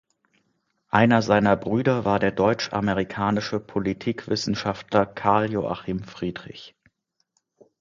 Einer seiner Brüder war der deutsch-amerikanische Politikwissenschaftler Carl Joachim Friedrich.